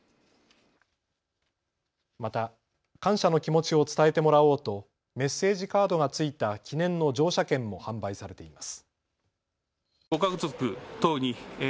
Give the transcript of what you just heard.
また感謝の気持ちを伝えてもらおうとメッセージカードが付いた記念の乗車券も販売されています。